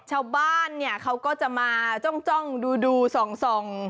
ชาวบ้านเนี่ยเขาก็จะมาจ้องดูส่อง